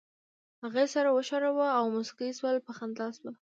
هغې سر وښوراوه او موسکۍ شول، په خندا شوه.